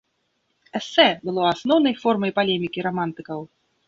Эсэ было асноўнай формай палемікі рамантыкаў.